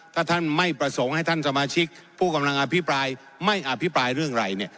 ถ้าท่านไม่ประสงค์ให้ท่านสมาชิกผู้กำลังอภิปรายไม่อภิปรายเรื่องอะไรเนี่ย